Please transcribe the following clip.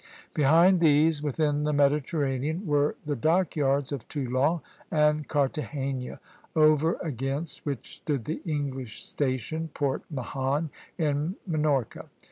Behind these, within the Mediterranean, were the dock yards of Toulon and Cartagena, over against which stood the English station Port Mahon, in Minorca.